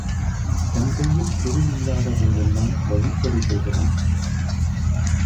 தன்கையில் பொருள் இல்லாத போதெல்லாம் வழிப்பறி செய்கிறான்.